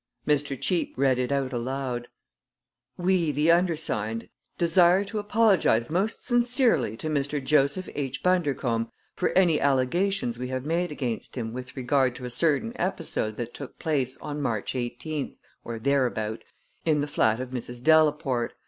Mr. Cheape read it out aloud: "We, the undersigned, desire to apologize most sincerely to Mr. Joseph H. Bundercombe for any allegations we have made against him with regard to a certain episode that took place on March eighteenth, or thereabout, in the flat of Mrs. Delaporte.